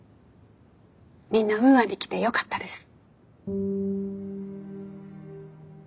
みんなウーアに来てよかったです。